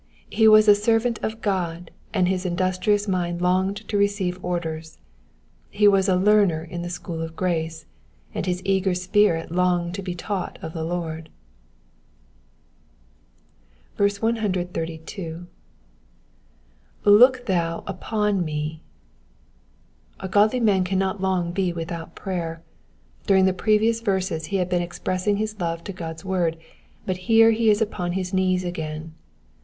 He was a servant of God, and his indus trious mind longed to receive orders ; he was a learner in the school of grace, and his eager spirit longed to be taught of the Lord. 132. ''''Look thou upon me,'*'' A godly man cannot long be without prayer. During the previous verses he had been expressing his love to God's word, but here he is upon his knees again.